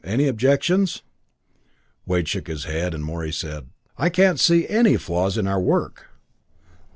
Any objections?" Wade shook his head, and Morey said: "I can't see any flaws in our work."